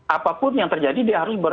apapun yang terjadi dia harus